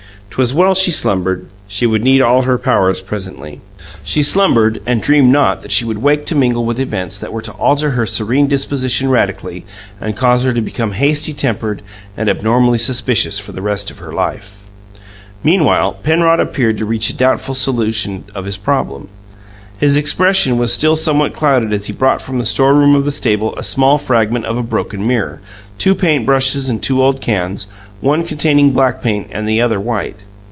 'Twas well she slumbered; she would need all her powers presently. She slumbered, and dreamed not that she would wake to mingle with events that were to alter her serene disposition radically and cause her to become hasty tempered and abnormally suspicious for the rest of her life. Meanwhile, Penrod appeared to reach a doubtful solution of his problem. His expression was still somewhat clouded as he brought from the storeroom of the stable a small fragment of a broken mirror, two paint brushes and two old cans, one containing black paint and the other white.